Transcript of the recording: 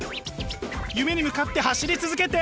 夢に向かって走り続けて！